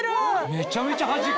めちゃめちゃはじく！